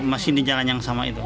masih di jalan yang sama itu